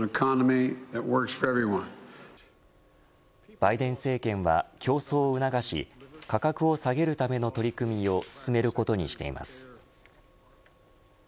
バイデン政権は競争を促し価格を下げるための取り組みを進めることにしています。